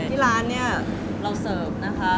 ที่ร้านเนี่ยเราเสิร์ฟนะคะ